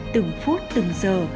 từng phút từng giờ